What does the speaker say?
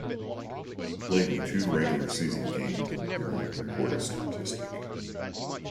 He played in two regular season games but did not record a statistic.